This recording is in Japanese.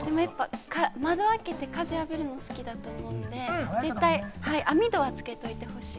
窓を開けて、風を浴びるのが好きだと思うんで、網戸はつけておいてほしい。